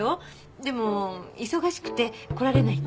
でも忙しくて来られないって。